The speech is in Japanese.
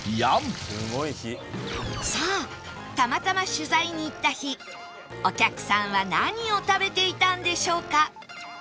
さあたまたま取材に行った日お客さんは何を食べていたんでしょうか？